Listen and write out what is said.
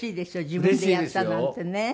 自分でやったなんてね。